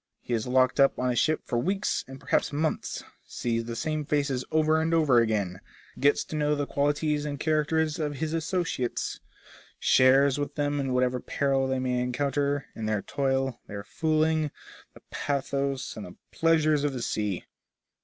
He is locked up in a ship for weeks and perhaps months, sees the same faces over and over again, gets to know the qualities and characters of his associates, shares with them in whatever peril they may encounter, in their toil, their fooling, the pathos and the pleasures of the sea.